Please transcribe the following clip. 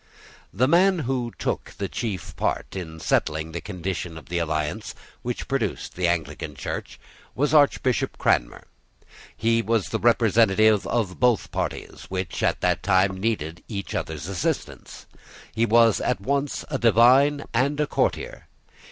The man who took the chief part in settling the condition, of the alliance which produced the Anglican Church was Archbishop Cranmer. He was the representative of both the parties which, at that time, needed each other's assistance. He was at once a divine and a courtier.